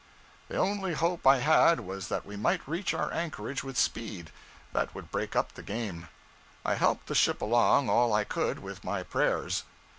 The only hope I had was that we might reach our anchorage with speed that would break up the game. I helped the ship along all I could with my prayers.